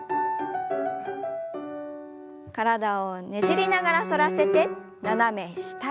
体をねじりながら反らせて斜め下へ。